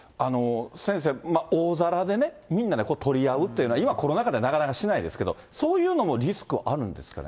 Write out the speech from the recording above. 先生、大皿でね、みんなで取り合うっていうのは、今、コロナ禍でなかなかしないですけれども、そういうのもリスクあるんですかね。